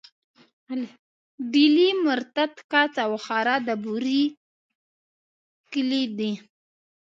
ډيلی، مرتت، کڅ او وهاره د بوري کلي دي.